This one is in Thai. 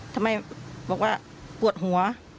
ทำไมบอกว่าปวดหัว